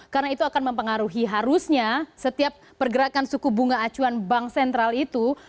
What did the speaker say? karena itu akan mempengaruhi harusnya setiap pergerakan suku bunga acuan bank sentral itu